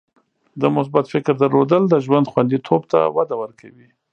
د مثبت فکر درلودل د ژوند خوندیتوب ته وده ورکوي.